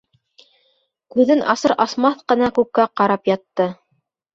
Күҙен асыр-асмаҫ ҡына күккә ҡарап ятты.